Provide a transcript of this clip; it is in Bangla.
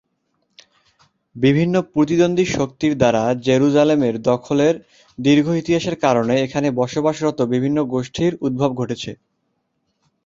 বিভিন্ন প্রতিদ্বন্দ্বী শক্তির দ্বারা জেরুসালেমের দখলের দীর্ঘ ইতিহাসের কারণে এখানে বসবাসরত বিভিন্ন গোষ্ঠীর উদ্ভব ঘটেছে।